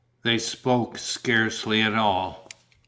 They spoke scarcely at all.